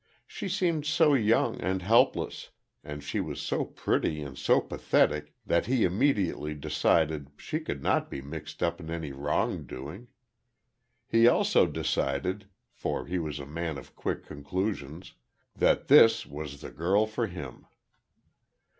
She seemed so young and helpless and she was so pretty and so pathetic that he immediately decided she could not be mixed up in any wrong doing. He also decided, for he was a man of quick conclusions, that this was the girl for him.